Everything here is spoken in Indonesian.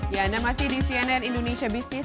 ya anda masih di cnn indonesia business